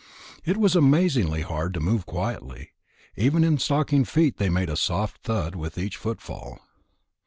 It was amazingly hard to move quietly. Even in stocking feet they made a soft thud with each footfall.